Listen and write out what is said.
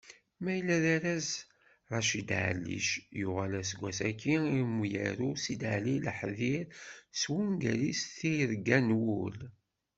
Ma yella d arraz Raccid Ɛallic yuɣal aseggas-agi i umyaru Sidali Lahdir s wungal-is Tirga n wul.